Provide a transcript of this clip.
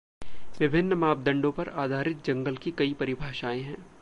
विभिन्न मापदंडों पर आधारित जंगल की कई परिभाषाएँ हैं